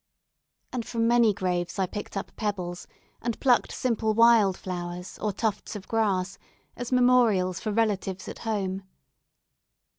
And from many graves I picked up pebbles, and plucked simple wild flowers, or tufts of grass, as memorials for relatives at home.